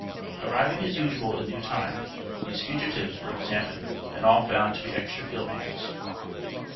Arriving as usual in due time these fugitives were examined, and all found to be extra field hands.